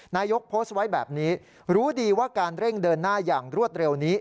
นายกโพสต์ไว้แบบนี้รู้ดีว่าการเร่งเดินหน้าอย่างรวดเร็วนี้